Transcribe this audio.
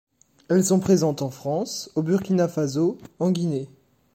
Elles sont présentes en France, au Burkina Faso, en Guinée.